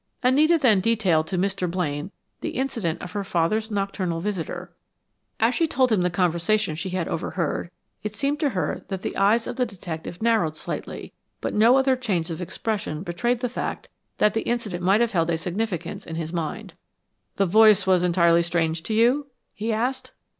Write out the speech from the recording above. Anita then detailed to Mr. Blaine the incident of her father's nocturnal visitor. As she told him the conversation she had overheard, it seemed to her that the eyes of the detective narrowed slightly, but no other change of expression betrayed the fact that the incident might have held a significance in his mind. "The voice was entirely strange to you?" he asked.